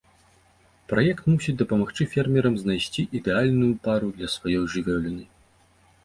Праект мусіць дапамагчы фермерам знайсці ідэальную пару для сваёй жывёліны.